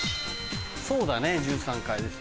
そうだね１３階です。